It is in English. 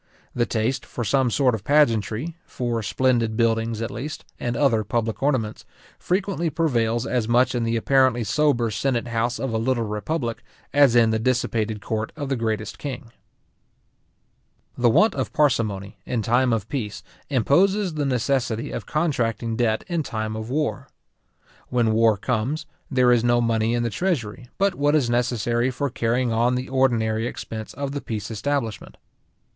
The taste for some sort of pageantry, for splendid buildings, at least, and other public ornaments, frequently prevails as much in the apparently sober senate house of a little republic, as in the dissipated court of the greatest king. The want of parsimony, in time of peace, imposes the necessity of contracting debt in time of war. When war comes, there is no money in the treasury, but what is necessary for carrying on the ordinary expense of the peace establishment.